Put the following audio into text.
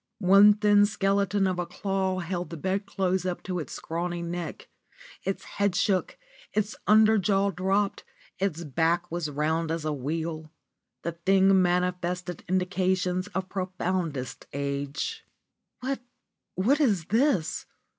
One thin skeleton of a claw held the bedclothes up to its scraggy neck. Its head shook, its under jaw dropped, its back was round as a wheel; the thing manifested indications of profoundest age. "What what is this?